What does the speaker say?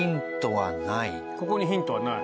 ここにヒントはない。